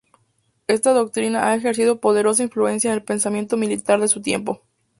Esta doctrina ha ejercido poderosa influencia en el pensamiento militar de su tiempo.